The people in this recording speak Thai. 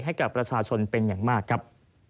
ให้กับประชาชนเป็นอย่างมากครับ